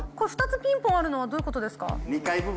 これ、２つピンポンあるのは、どういうことですか？